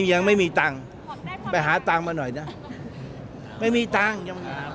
ยังไม่มีตังค์ไปหาตังค์มาหน่อยนะไม่มีตังค์ยังหา